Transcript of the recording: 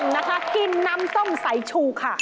นะคะกินน้ำส้มสายชูค่ะ